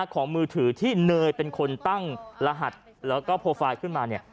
ของมือถือที่เนยเป็นคนตั้งรหัสและโปรไฟล์ขึ้นมา